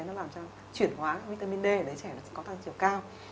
nó làm cho chuyển hóa vitamin d đứa trẻ nó sẽ có tăng chiều cao